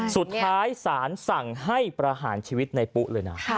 สุดท้ายสารสั่งให้ประหารชีวิตในปุ๊เลยนะ